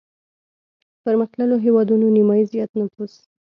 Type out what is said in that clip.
پرمختلليو هېوادونو نيمايي زيات نفوس